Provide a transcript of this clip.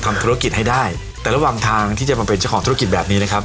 ทำธุรกิจให้ได้แต่ระหว่างทางที่จะมาเป็นเจ้าของธุรกิจแบบนี้นะครับ